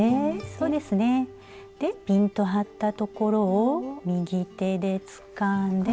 そうですねでピンと張ったところを右手でつかんで。